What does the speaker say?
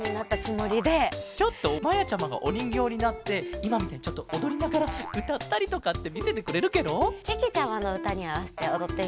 ちょっとまやちゃまがおにんぎょうになっていまみたいにちょっとおどりながらうたったりとかってみせてくれるケロ？けけちゃまのうたにあわせておどってみる？